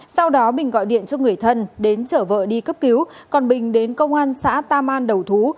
sau đó bình gọi điện cho người thân đến chở vợ đi cấp cứu còn bình đến công an xã tam an đầu thú